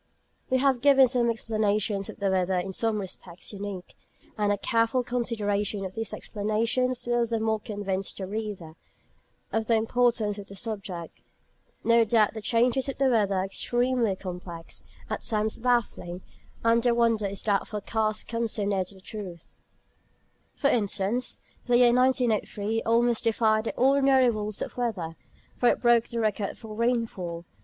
We have given some explanations of the weather in some respects unique; and a careful consideration of these explanations will the more convince the reader of the importance of the subject. No doubt the changes of the weather are extremely complex, at times baffling; and the wonder is that forecasts come so near the truth. For instance, the year 1903 almost defied the ordinary rules of weather, for it broke the record for rainfall.